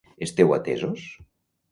Esteu atesos?